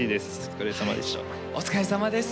お疲れさまです。